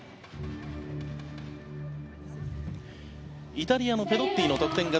イタリアのペドッティの得点。